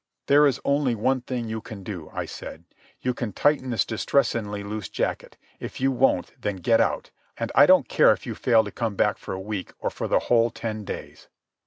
"There is only one thing you can do," I said. "You can tighten this distressingly loose jacket. If you won't, then get out. And I don't care if you fail to come back for a week or for the whole ten days."